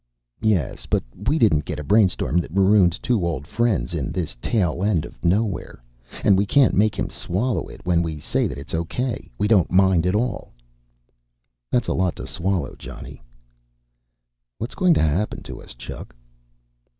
"Yes, but we didn't get a brainstorm that marooned two old friends in this tail end of nowhere. And we can't make him swallow it when we say that it's okay, we don't mind at all." "That's a lot to swallow, Johnny." "What's going to happen to us, Chuck?"